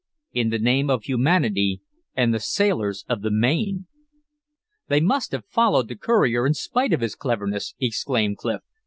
"IN THE NAME OF HUMANITY AND THE SAILORS OF THE MAINE!" "They must have followed the courier in spite of his cleverness," exclaimed Clif.